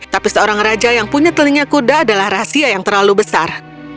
tapi seorang raja yang punya telinga kuda adalah rahasia yang terlalu besar